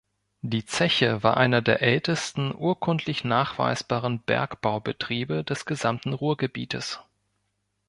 Die Zeche war einer der ältesten urkundlich nachweisbaren Bergbaubetriebe des gesamten Ruhrgebietes.